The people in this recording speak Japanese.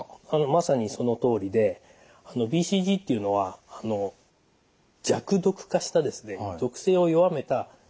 まさにそのとおりでＢＣＧっていうのは弱毒化した毒性を弱めた牛型の結核菌なんですね。